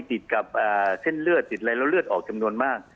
ติดกับเส้นเลือดติดอะไรแล้วเลือดออกจำนวนมาก